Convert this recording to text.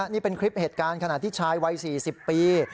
นี่เป็นคลิปเหตุการณ์ขณะที่ชายวัย๔๐ปี